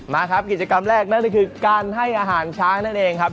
มาครับกิจกรรมแรกนั่นก็คือการให้อาหารช้างนั่นเองครับ